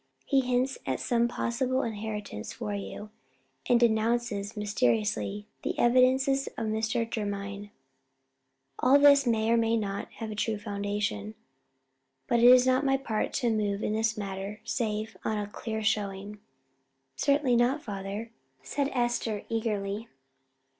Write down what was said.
He hints at some possible inheritance for you, and denounces mysteriously the devices of Mr. Jermyn. All this may or may not have a true foundation. But it is not my part to move in this matter save on a clear showing." "Certainly not, father," said Esther, eagerly.